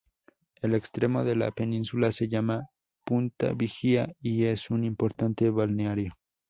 El extremo de la península se llama Punta Vigía y es un importante balneario.